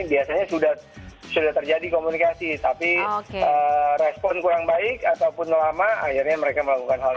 biasanya sudah terjadi komunikasi tapi respon kurang baik ataupun lama akhirnya mereka melakukan hal itu